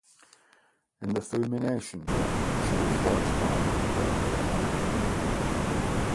In the Funimation dub, she is voiced by Monica Rial.